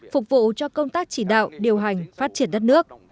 phục vụ cho công tác chỉ đạo điều hành phát triển đất nước